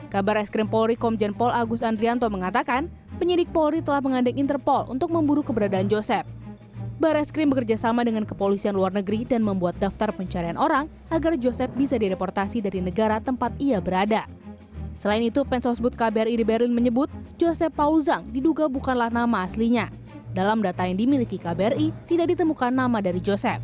kepada detik com kedutaan besar ri untuk jerman selama enam bulan namun kini telah keluar